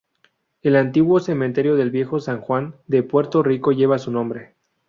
El antiguo cementerio del Viejo San Juan de Puerto Rico lleva su nombre.